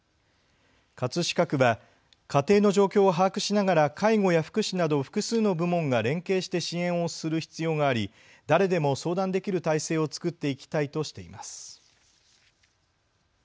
葛飾区は家庭の状況を把握しながら介護や福祉など複数の部門が連携して支援をする必要があり誰でも相談できる体制を作っていきたいとしています。